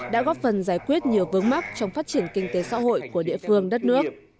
đã góp phần giải quyết nhiều vướng mắc trong phát triển kinh tế xã hội của địa phương đất nước